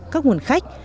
các nguồn khách